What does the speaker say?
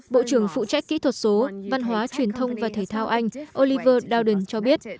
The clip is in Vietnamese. bộ trưởng phụ trách kỹ thuật số văn hóa truyền thông và thể thao anh oliver dowden cho biết